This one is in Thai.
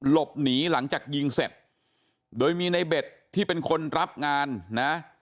หลบหนีหลังจากยิงเสร็จโดยมีในเบ็ดที่เป็นคนรับงานนะ